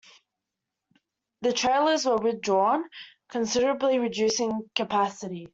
The trailers were withdrawn, considerably reducing capacity.